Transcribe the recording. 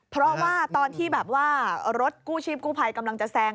เพราะว่าตอนที่แบบว่ารถกู้ชีพกู้ภัยกำลังจะแซง